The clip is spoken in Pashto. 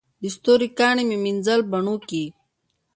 د ستورو کاڼي مې مینځل بڼوکي